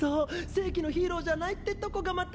正規のヒーローじゃないってとこがまた。